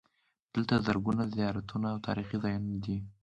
دلته زرګونه زیارتونه او تاریخي ځایونه دي.